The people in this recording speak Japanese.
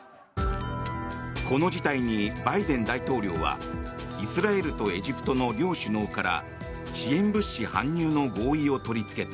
この事態にバイデン大統領はイスラエルとエジプトの両首脳から支援物資搬入の合意を取りつけた。